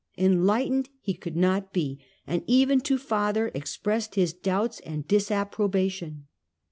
Enlightened he could not be, and even to father expressed his doubts and disapprobation.